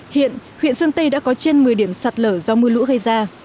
hiện huyện sơn tây đã có trên một mươi điểm sạt lở do mưa lũ gây ra